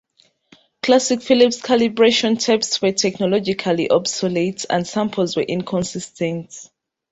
Classic Philips calibration tapes were technologically obsolete and samples were inconsistent.